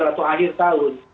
pertandingan akhir tahun